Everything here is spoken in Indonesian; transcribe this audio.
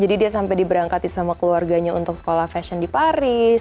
jadi dia sampai diberangkati sama keluarganya untuk sekolah fashion di paris